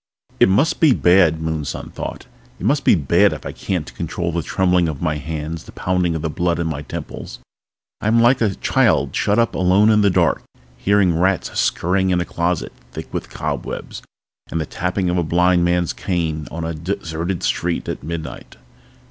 It must be bad, Moonson thought. It must be bad if I can't control the trembling of my hands, the pounding of the blood at my temples. I am like a child shut up alone in the dark, hearing rats scurrying in a closet thick with cobwebs and the tapping of a blind man's cane on a deserted street at midnight.